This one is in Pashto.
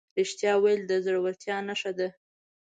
رښتیا ویل د زړهورتیا نښه ده.